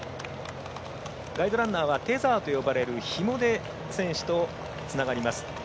ガイドランナーはテザーと呼ばれるひもで選手とつながります。